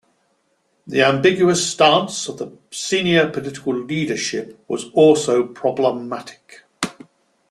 The ambiguous stance of the senior political leadership was also problematic.